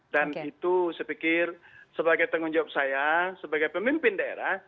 dan itu saya pikir sebagai tanggung jawab saya sebagai pemimpin daerah